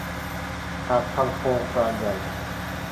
หากทำโครงการใหญ่